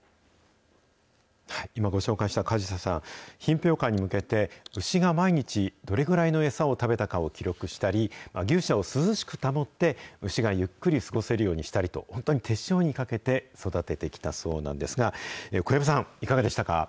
今、ご紹介した加治佐さん、品評会に向けて、牛が毎日どれぐらいの餌を食べたかを記録したり、牛舎を涼しく保って牛がゆっくり過ごせるようにしたりと、本当に手塩にかけて育ててきたそうなんですが、小籔さん、いかがでしたか。